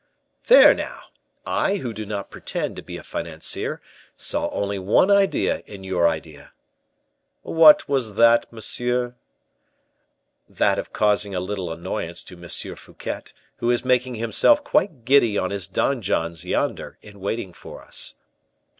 "There, now! I, who do not pretend to be a financier, saw only one idea in your idea." "What was that, monsieur?" "That of causing a little annoyance to M. Fouquet, who is making himself quite giddy on his donjons yonder, in waiting for us."